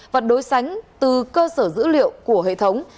và đối sánh từ cơ sở dữ liệu của hệ thống